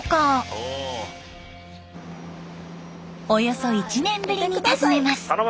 その後およそ１年ぶりに訪ねます。